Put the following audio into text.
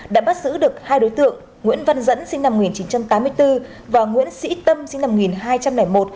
đã bắt giữ được hai đối tượng nguyễn văn dẫn sinh năm một nghìn chín trăm tám mươi bốn và nguyễn sĩ tâm sinh năm hai trăm linh một